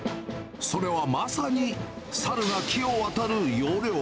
それはまさに猿が木を渡る要領。